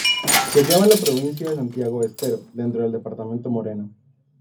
Se hallaba en la provincia de Santiago del Estero, dentro del Departamento Moreno.